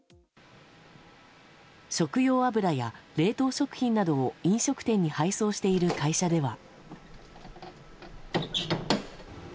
食用油や冷凍食品などを飲食店に配送している会社では。